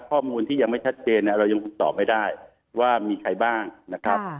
ข้อมูลที่ยังไม่ชัดเจนเนี่ยเรายังคงตอบไม่ได้ว่ามีใครบ้างนะครับ